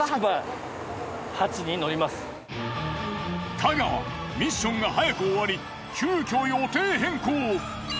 太川ミッションが早く終わり急きょ予定変更。